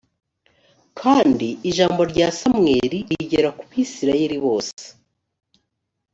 kandi ijambo rya samweli rigera ku bisirayeli bose